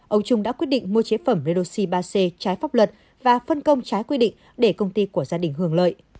ông trung đã quyết định mua chế phẩm redoxi ba c trái pháp luật và phân công trái quy định để công ty của gia đình hưởng lợi